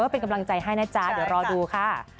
เป็นกำลังใจให้นะจ๊ะเดี๋ยวรอดูค่ะ